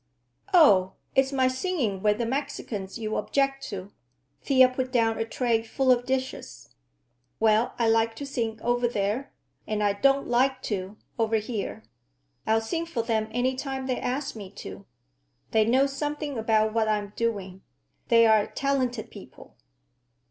"Oh, it's my singing with the Mexicans you object to?" Thea put down a tray full of dishes. "Well, I like to sing over there, and I don't like to over here. I'll sing for them any time they ask me to. They know something about what I'm doing. They're a talented people."